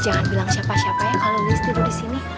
jangan bilang siapa siapanya kalau lelis tidur disini